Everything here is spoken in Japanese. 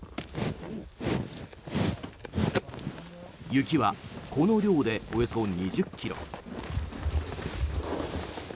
雪はこの量でおよそ２０ｋｇ。